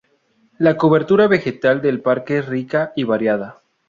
La cobertura vegetal del parque es rica y variada.